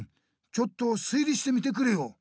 ちょっと推理してみてくれよ。